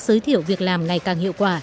giới thiệu việc làm ngày càng hiệu quả